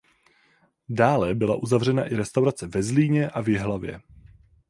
Dále byla uzavřena i restaurace ve Zlíně a v Jihlavě.